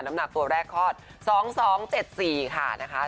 น้ำหนักตัวแรกคลอด๒๒๗๔ค่ะนะคะ